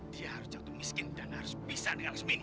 dia harus jatuh miskin dan harus bisa dengan seminggu